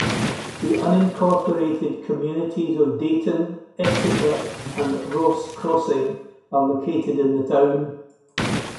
The unincorporated communities of Dayton, Exeter, and Ross Crossing are located in the town.